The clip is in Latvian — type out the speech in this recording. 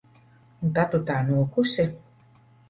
Un tad tu tā nokusi?